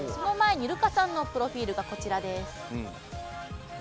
ルカさんのプロフィールがこちらです。